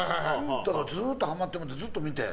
だからずっとハマってずっと見て。